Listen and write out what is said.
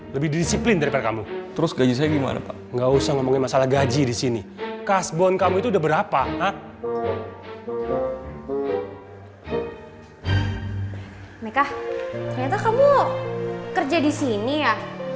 meka ternyata kamu kerja disini ya